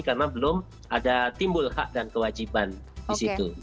karena belum ada timbul hak dan kewajiban di situ